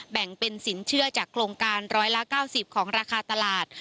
แบ่งเป็นสินเชื่อจากโครงการร้อยละ๙๐ของราคาตลาด